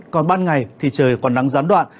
còn ban ngày thì trời còn nắng gián đoạn